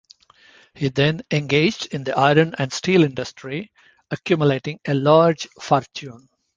He then engaged in the iron and steel industry, accumulating a large fortune.